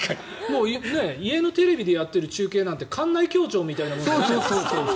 家のテレビでやってる中継なんて館内共聴みたいなものだ。